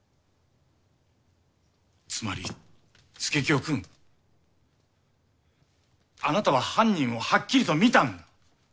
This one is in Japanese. つまり佐清くんあなたは犯人をはっきりと見たんだ。